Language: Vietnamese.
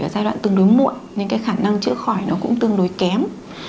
ở giai đoạn tương đối muộn nên cái khả năng chữa khỏi nó cũng tương đối kém